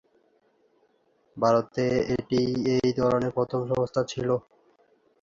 ভারতে এটিই এই ধরনের প্রথম সংস্থা ছিল।